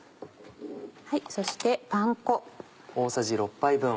そしてパン粉。